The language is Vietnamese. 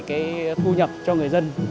khu nhập cho người dân